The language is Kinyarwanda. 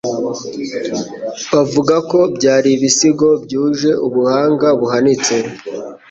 bavuga ko byari ibisigo byuje ubuhanga buhanitse,